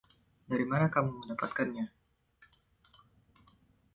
Dari mana kamu mendapatkannya?